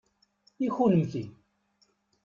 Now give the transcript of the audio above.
I kunemti?